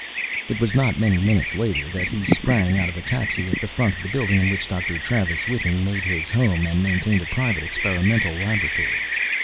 It was not many minutes later that he sprang out of a taxi at the front of the building in which Dr. Travis Whiting made his home and maintained a private experimental laboratory.